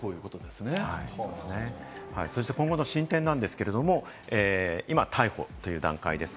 今後の進展なんですけれど、今逮捕という段階です。